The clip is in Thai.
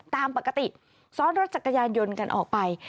ตามปกติซ้อนรถจักรยานยนต์กันออกไป